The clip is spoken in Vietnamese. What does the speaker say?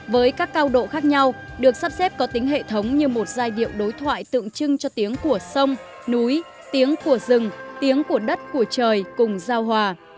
với các cao độ khác nhau được sắp xếp có tính hệ thống như một giai điệu đối thoại tượng trưng cho tiếng của sông núi tiếng của rừng tiếng của đất của trời cùng giao hòa